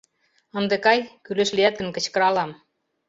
— Ынде кай, кӱлеш лият гын, кычкыралам.